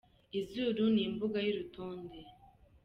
Izuru ni imbuga y’urutonde